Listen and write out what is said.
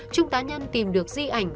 chúng ta nhân tìm được di ảnh